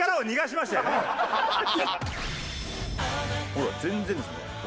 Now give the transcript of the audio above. ほら全然ですもん。